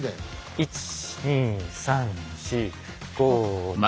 １２３４５。